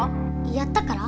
やったから？